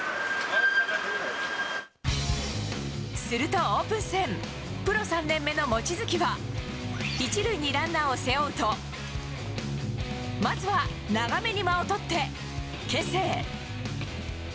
すると、オープン戦プロ３年目の望月は１塁にランナーを背負うとまずは長めに間をとって牽制。